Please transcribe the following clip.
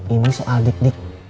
ini soal dik dik